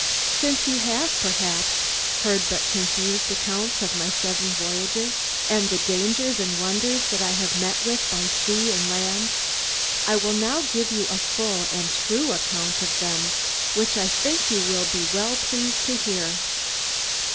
Since you have, perhaps, heard but confused accounts of my seven voyages, and the dangers and wonders that I have met with by sea and land, I will now give you a full and true account of them, which I think you will be well pleased to hear."